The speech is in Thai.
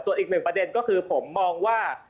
ส่วนอีกหนึ่งประเด็นก็คือผมมองว่า